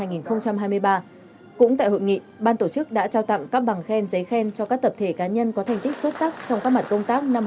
cũng tại hội nghị ban tổ chức đã trao tặng các bằng khen giấy khen cho các tập thể cá nhân có thành tích xuất sắc trong các mặt công tác năm hai nghìn hai mươi